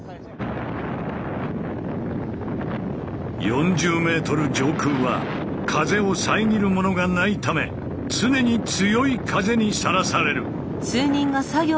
４０ｍ上空は風を遮るものがないため常に強い風にさらされる。